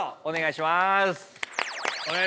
お願いします。